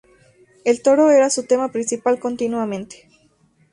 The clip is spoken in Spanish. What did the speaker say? El toro era su tema principal continuamente.